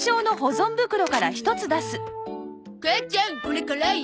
母ちゃんこれ辛い？